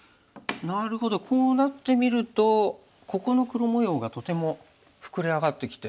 なるほどこうなってみるとここの黒模様がとても膨れ上がってきて。